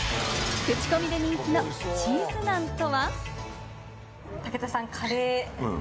クチコミで人気のチーズナンとは？